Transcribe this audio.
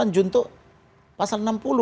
juntuh pasal enam puluh